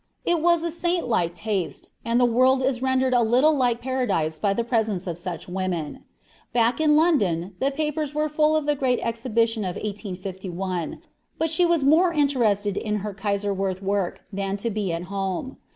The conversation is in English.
It was a saintlike taste, and the world is rendered a little like Paradise by the presence of such women. Back in London the papers were full of the great exhibition of 1851, but she was more interested in her Kaiserwerth work than to be at home.